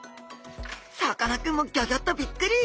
さかなクンもギョギョッとびっくり！